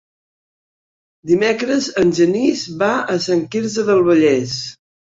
Dimecres en Genís va a Sant Quirze del Vallès.